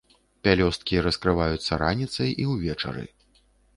Пялёсткі раскрываюцца раніцай і ўвечары.